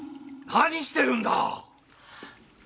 何してるんだ！